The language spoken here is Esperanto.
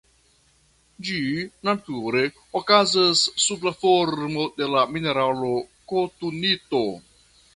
Ĝi nature okazas sub la formo de la mineralo kotunito.